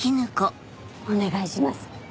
お願いします。